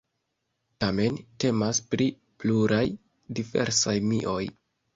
Tamen temas pri pluraj diversaj mioj.